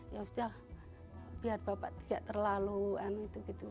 ya sudah biar bapak tidak terlalu dan begitu begitu